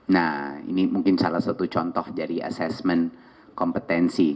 nah ini mungkin salah satu contoh dari asesmen kompetensi